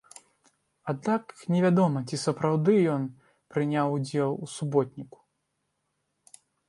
Аднак невядома, ці сапраўды ён прыняў удзел у суботніку.